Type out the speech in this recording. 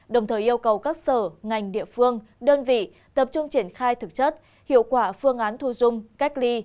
đồng thời yêu cầu các sở ngành địa phương đơn vị tập trung triển khai thực chất hiệu quả phương án thu dung cách ly